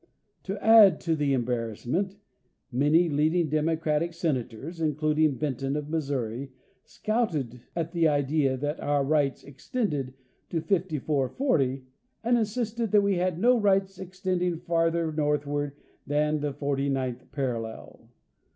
To add to the embarrassment, many leading democratic senators, including Benton. of Missouri, scouted at the idea that our rights extended to fifty four forty, and insisted that we had no rights extending farther northward than the forty ninth parallel.